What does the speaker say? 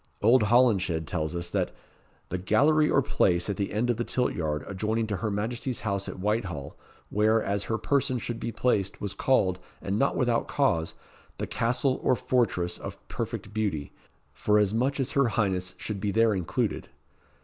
Old Holinshed tells us, that "the gallery or place at the end of the tilt yard, adjoining to her Majesty's house at Whitehall, where, as her person should be placed, was called, and not without cause, the Castle or Fortress of Perfect Beauty, for as much as her highness should be there included."